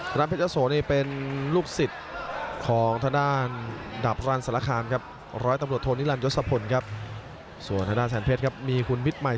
ทางเพชยโสนี่เป็นลูกศิษย์ของทดานดับรอันสาราคารครับ